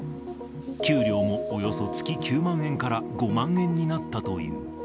給料もおよそ月９万円から５万円になったという。